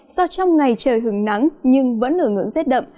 do trong ngày trời hứng nắng nhưng vẫn ở ngưỡng rét đậm